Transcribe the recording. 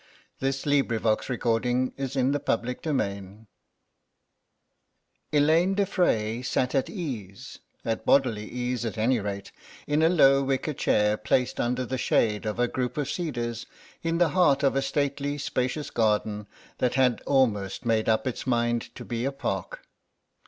Pluralism is a merciful narcotic. CHAPTER VI ELAINE DE FREY sat at ease—at bodily ease—at any rate—in a low wicker chair placed under the shade of a group of cedars in the heart of a stately spacious garden that had almost made up its mind to be a park.